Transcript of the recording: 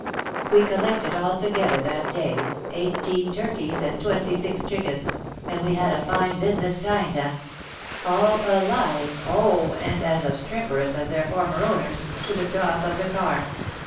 We collected altogether that day eighteen turkeys and twenty six chickens, and we had a fine business tying them — all alive oh ! and as obstreperous as their former owners — to the top of the car.